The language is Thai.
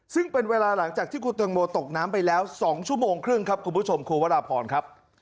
ซึ่งเป็นเวลาหลังจากที่คุณตังโมตกน้ำไปแล้ว๒ชั่วโมงครึ่งครับคุณผู้ชมครูวราพรครับ